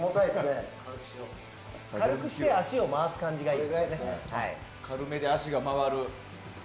軽くして足を回す感じがいいですね。